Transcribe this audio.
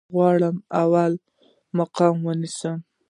زه غواړم اول مقام ونیسم